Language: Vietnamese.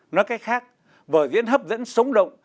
nói cách khác vở diễn hấp dẫn sống động